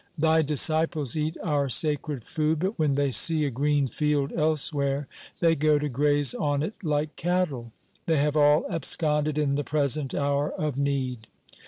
Thy disciples eat our sacred food, but when they see a green field elsewhere, they go to graze on it like cattle. They have all absconded in the present hour of need.'